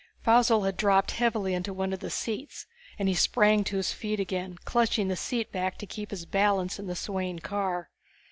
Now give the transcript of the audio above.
Faussel had dropped heavily into one of the seats and he sprang to his feet again, clutching the seat back to keep his balance in the swaying car.